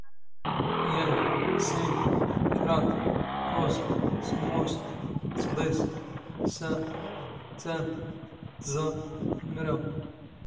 ⵢⴰⵏ, ⵙⵉⵏ, ⴽⵕⴰⴹ, ⴽⴽⵓⵥ, ⵙⵎⵎⵓⵙ, ⵚⴹⵉⵚ, ⵙⴰ, ⵜⴰⵎ, ⵜⵥⴰ, ⵎⵔⴰⵡ